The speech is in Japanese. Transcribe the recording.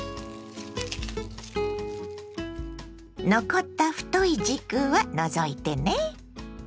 残った太い軸は除いてね。